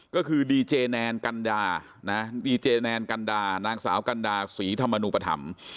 ก็คือดีเจแนนกันดานะดีเจแนนกันดานางสาวกันดาศรีธรรมนูปธรรม